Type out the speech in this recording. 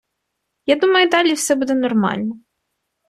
Я думаю, далі буде все нормально.